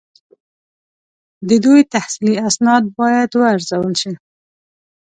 د دوی تحصیلي اسناد باید وارزول شي.